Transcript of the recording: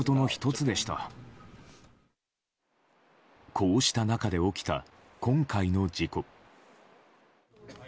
こうした中で起きた今回の事故。